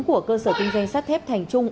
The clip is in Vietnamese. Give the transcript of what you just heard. của cơ sở kinh doanh sát thép thành trung